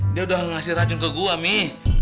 dia udah ngasih racun ke gua nih